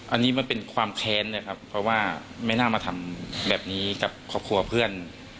อันนี้มันเป็นความแค้นนะครับเพราะว่าไม่น่ามาทำแบบนี้กับครอบครัวเพื่อน